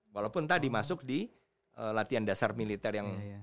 walaupun tadi masuk di latihan dasar militer yang